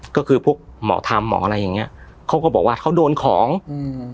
ก็คือพวกหมอธรรมหมออะไรอย่างเงี้ยเขาก็บอกว่าเขาโดนของอืม